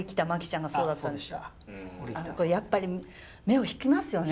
あの子やっぱり目を引きますよね。